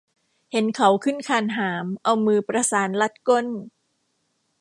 เห็นเขาขึ้นคานหาม เอามือประสานรัดก้น